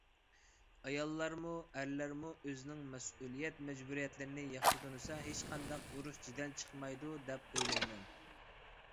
ئاياللارمۇ، ئەرلەرمۇ ئۆزىنىڭ مەسئۇلىيەت، مەجبۇرىيەتلىرىنى ياخشى تونۇسا ھېچقانداق ئۇرۇش-جېدەل چىقمايدۇ دەپ ئويلايمەن.